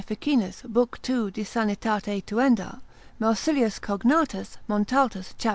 Ficinus, lib. 2. de sanitate tuenda. Marsilius Cognatus, Montaltus, cap.